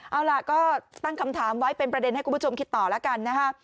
เอาล่ะก็ตั้งคำถามไว้เป็นประเด็นให้คุณผู้ชมคิดต่อแล้วกันนะฮะ